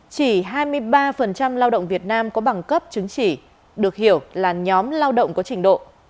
chỉ hai mươi ba lao động việt nam có bằng cấp chứng chỉ được hiểu là nhóm lao động có trình độ